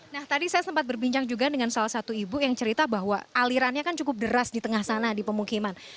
nah tadi saya sempat berbincang juga dengan salah satu ibu yang cerita bahwa alirannya kan cukup deras di tengah sana di pemukiman